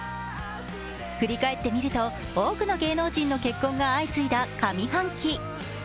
振り返ってみると、多くの芸能人の結婚が相次いだ上半期。